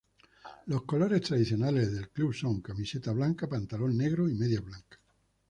Los colores tradicionales del club son camiseta blanca, pantalón negro y medias blancas.